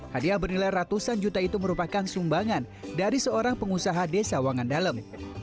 hadiah bernilai ratusan juta itu merupakan sumbangan dari seorang pengusaha desa wangandalem